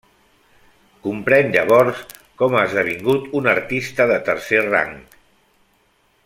Comprèn llavors com ha esdevingut un artista de tercer rang.